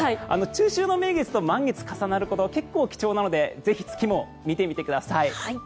中秋の名月と満月が重なること結構重要なので月も見てみてください。